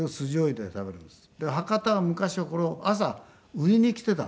で博多は昔はこれを朝売りに来ていたんですね。